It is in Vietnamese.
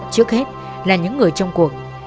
trước hết là những người trong cuộc